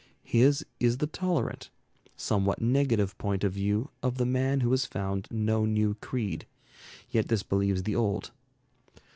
His is the tolerant, somewhat negative point of view of the man who has found no new creed, yet disbelieves the old.